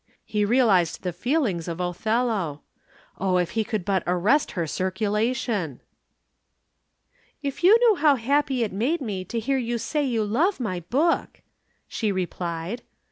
He realized the feelings of Othello. Oh, if he could but arrest her circulation! "If you knew how happy it made me to hear you say you love my book!" she replied.